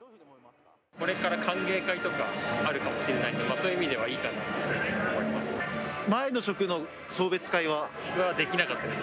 これから歓迎会とかあるかもしれないんで、そういう意味ではいいかなって思います。